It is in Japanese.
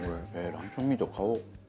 ランチョンミート買おう。